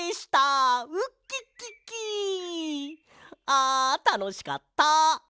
あたのしかった。